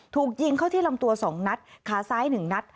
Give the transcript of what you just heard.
ถูกยิงเข้าที่ลำตัวสองนัดขาซ้ายหนึ่งนัด